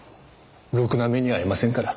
ろくな目に遭いませんから。